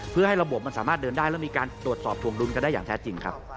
เพื่อให้ระบบมันสามารถเดินได้แล้วมีการตรวจสอบถวงดุลกันได้อย่างแท้จริงครับ